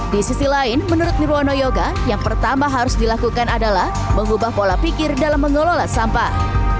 di sisi lain menurut nirwono yoga yang pertama harus dilakukan adalah mengubah pola pikir dalam mengelola sampah